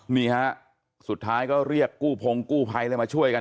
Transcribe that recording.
นี่ฮะสุดท้ายก็เรียกกู้พงกู้ภัยเลยมาช่วยกัน